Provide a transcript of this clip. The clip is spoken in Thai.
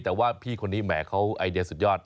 แต่ว่าพี่คนนี้แหมเขาไอเดียสุดยอด